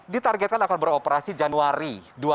ditargetkan akan beroperasi januari dua ribu dua puluh